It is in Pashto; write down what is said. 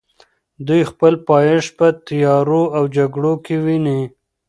دوی خپل پایښت په تیارو او جګړو کې ویني.